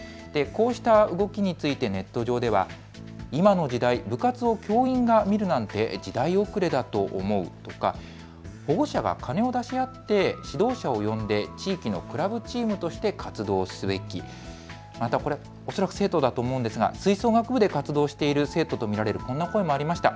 こうした動きについてネット上では今の時代、部活を教員が見るなんて時代遅れだと思うとか保護者が金を出し合って指導者を呼んで地域のクラブチームとして活動すべき、また恐らく生徒だと思うのですが吹奏楽部で活動している生徒と見られるこんな声もありました。